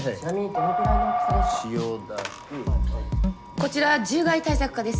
☎こちら獣害対策課です。